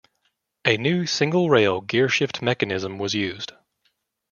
A new single-rail gearshift mechanism was used.